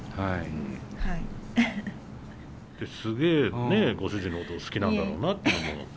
すげえご主人のこと好きなんだろうなってのも。